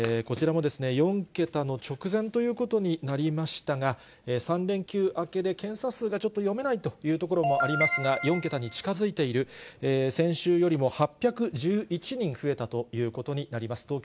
こちらも４桁の直前ということになりましたが、３連休明けで、検査数がちょっと読めないということもありますが、４桁に近づいている、先週よりも８１１人増えたということになります。